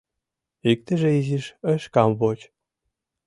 Иктыже изиш ыш камвоч.